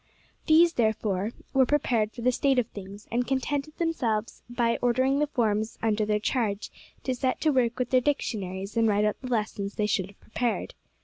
These, therefore, were prepared for the state of things, and contented themselves by ordering the forms under their charge to set to work with their dictionaries and write out the lessons they should have prepared.